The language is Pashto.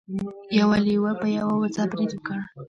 یو لیوه په یوه وزه برید وکړ.